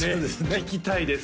聞きたいです